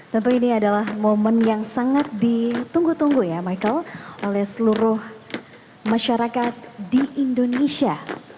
tentu ini adalah momen yang sangat ditunggu tunggu ya michael oleh seluruh masyarakat di indonesia